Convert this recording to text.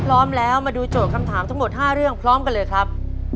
พร้อมแล้วมาดูโจทย์คำถามทั้งหมด๕เรื่องพร้อมกันเลยครับ